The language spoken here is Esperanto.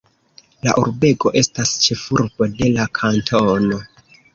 La urbego estas ĉefurbo de la kantono.